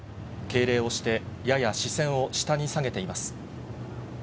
敬礼をして、やや視線を下に下げています。